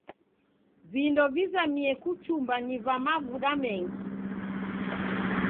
Vindo vizamie kuchumba ni va mavuda mengi.